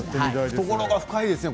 懐が深いですね。